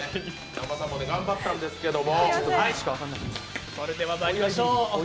南波さんも頑張ったんですけど。